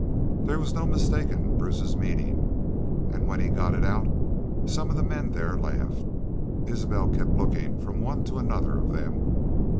"Thar was no mistakin' Bruce's meanin' an' when he got it out some of the men thar laughed. Isbel kept lookin' from one to another of them.